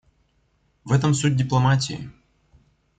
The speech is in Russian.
В этом суть дипломатии.